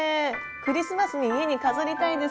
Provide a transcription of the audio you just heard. クリスマスに家に飾りたいです。